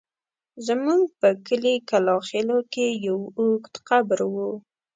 زموږ په کلي کلاخېلو کې يو اوږد قبر و.